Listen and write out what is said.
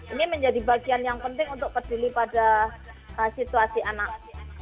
ini menjadi bagian yang penting untuk peduli pada situasi anak